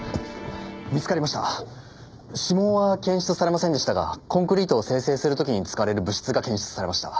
指紋は検出されませんでしたがコンクリートを生成する時に使われる物質が検出されました。